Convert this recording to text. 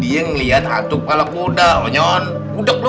yang ngeliat hantu kepala kuda onyon budak lo